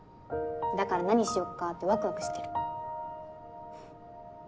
だから何しよっかってワクワクしてる。